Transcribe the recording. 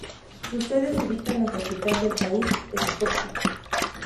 Su sede se ubica en la capital del país, Skopie.